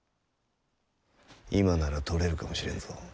今なら取れるかもしれんぞ。